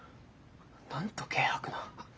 なんと軽薄な。